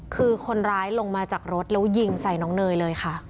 คือคนร้ายลงมาจากรถแล้วยิงใส่น้องเนยเลยค่ะ